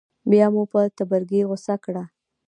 بیا به مو په تبرګي غوڅه کړه.